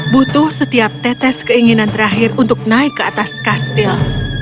butuh setiap tetes keinginan terakhir untuk naik ke atas kastil